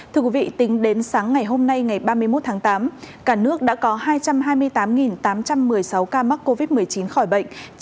thưa quý vị tính đến sáng ngày hôm nay ngày ba mươi một tháng tám cả nước đã có hai trăm hai mươi tám tám trăm một mươi sáu ca mắc covid một mươi chín khỏi bệnh